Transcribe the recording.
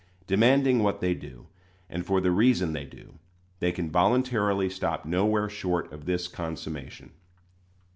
Demanding what they do, and for the reason they do, they can voluntarily stop nowhere short of this consummation.